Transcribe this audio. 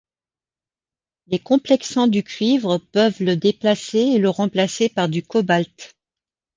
Les complexants du cuivre peuvent le déplacer et le remplacer par du cobalt.